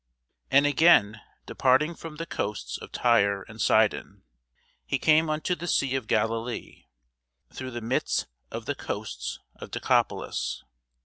And again, departing from the coasts of Tyre and Sidon, he came unto the sea of Galilee, through the midst of the coasts of Decapolis.